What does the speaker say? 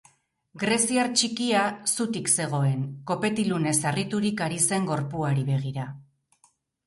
Greziar txikia zutik zegoen, kopetilunez harriturik ari zen gorpuari begira.